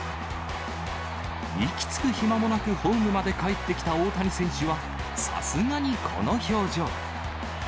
息つく暇もなくホームまでかえってきた大谷選手は、さすがにこの表情。